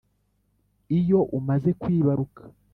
Iyo umaze kwibaruka